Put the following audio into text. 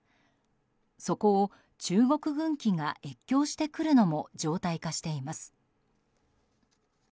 そこを中国軍機が越境してくるのも常態化しています。